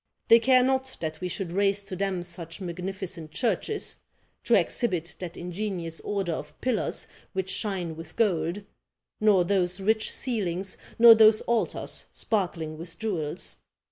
They care not that we should raise to them such magnificent churches, to exhibit that ingenious order of pillars which shine with gold, nor those rich ceilings, nor those altars sparkling with jewels.